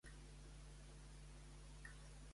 Què opina Romeva sobre la independència?